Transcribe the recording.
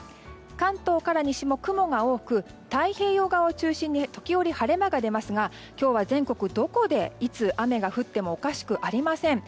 関東から西も雲が多く太平洋側を中心に時折晴れ間が出ますが今日は全国どこで、いつ雨が降ってもおかしくありません。